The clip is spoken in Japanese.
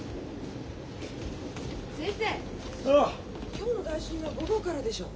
今日の代診は午後からでしょう？